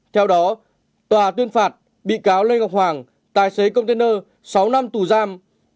theo đó tòa tuyên phạt bị cáo lê ngọc hoàng tài xế container sáu năm tù giam